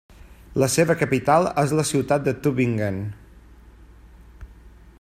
La seva capital és la ciutat de Tübingen.